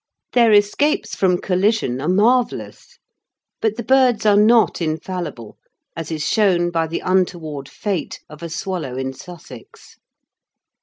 Their escapes from collision are marvellous; but the birds are not infallible, as is shown by the untoward fate of a swallow in Sussex.